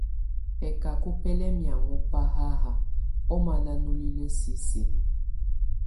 Bɛcacɔ bɛ lɛ mianŋɔ ba haha ɔmana nulilə sisi.